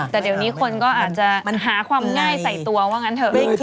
แต่เดี๋ยวนี้คนก็อาจจะหาความง่ายใส่ตัวว่างั้นเถอะ